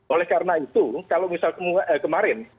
oleh karena itu kalau misal kemarin